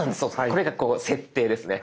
これが設定ですね。